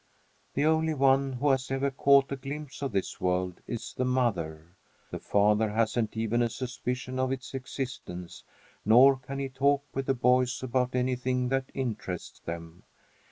The only one who has ever caught a glimpse of this world is the mother. The father hasn't even a suspicion of its existence, nor can he talk with the boys about anything that interests them.